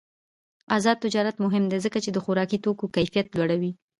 آزاد تجارت مهم دی ځکه چې د خوراکي توکو کیفیت لوړوي.